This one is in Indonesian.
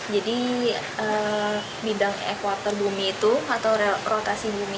jadi bidang ekwater bumi itu atau rotasi bumi